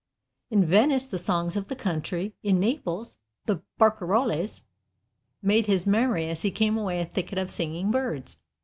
In Venice the songs of the country, in Naples the barcarolles, made his memory as he came away a thicket of singing birds.